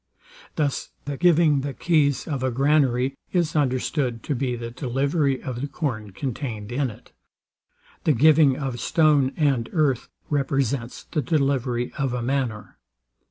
Thus the giving the keys of a granary is understood to be the delivery of the corn contained in it: The giving of stone and earth represents the delivery of a manor.